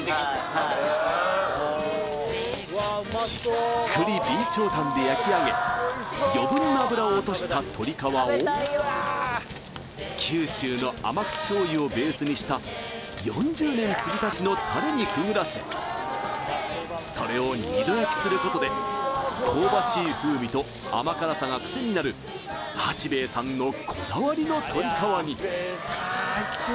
はいじっくり備長炭で焼き上げ余分な脂を落とした鶏皮を九州の甘口醤油をベースにした４０年継ぎ足しのタレにくぐらせそれを二度焼きすることで香ばしい風味と甘辛さがクセになる八兵衛さんのこだわりの鶏皮に・